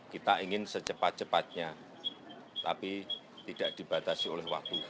kita ingin secepat cepatnya tapi tidak dibatasi oleh waktu